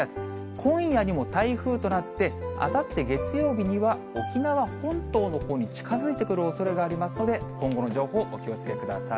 今夜にも台風となって、あさって月曜日には沖縄本島のほうに近づいてくるおそれがありますので、今後の情報にお気をつけください。